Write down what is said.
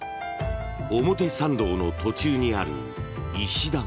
［表参道の途中にある石段］